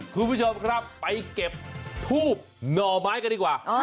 คุณผู้ชมครับไปเก็บทูบหน่อไม้กันดีกว่า